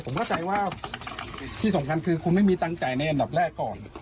กาแฟสดมันจะอยู่ที่ประมาณ๙๐บาท